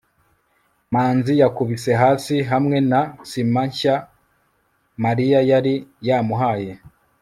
manzi yakubise hasi hamwe na sima nshya mariya yari yamuhaye